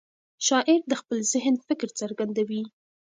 شاعر د خپل ذهن فکر څرګندوي.